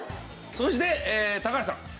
そして高橋さん。